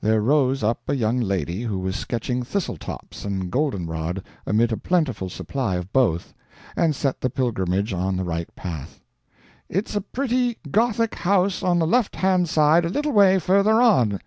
There rose up a young lady who was sketching thistle tops and goldenrod, amid a plentiful supply of both, and set the pilgrimage on the right path. "It's a pretty Gothic house on the left hand side a little way farther on."